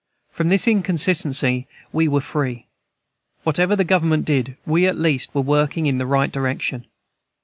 From this inconsistency we were free. Whatever the Government did, we at least were working in the right direction.